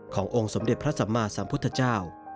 ขององค์สมเด็จพระศาลมราชสัมปุธธเจ้า